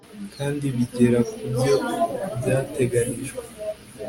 kandi bigera ku byo byateganijwe